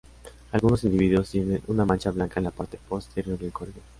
Algunos individuos tienen una mancha blanca en la parte posterior del cuello.